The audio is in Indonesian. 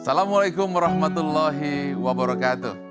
assalamualaikum warahmatullahi wabarakatuh